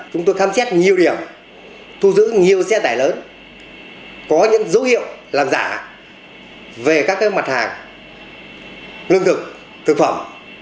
chúng tôi khám xét nhiều điểm thu giữ nhiều xe tải lớn có những dấu hiệu làm giả về các mặt hàng lương thực thực phẩm